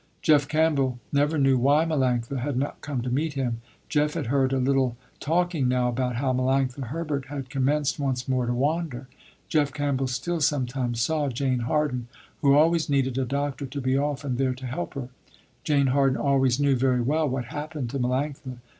Jeff Campbell never knew why Melanctha had not come to meet him. Jeff had heard a little talking now, about how Melanctha Herbert had commenced once more to wander. Jeff Campbell still sometimes saw Jane Harden, who always needed a doctor to be often there to help her. Jane Harden always knew very well what happened to Melanctha.